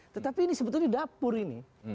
tetapi ini sebetulnya dapur ini